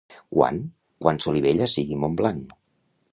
—Quan? —Quan Solivella sigui Montblanc.